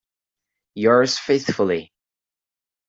Yours faithfully.